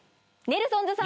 ネルソンズだ！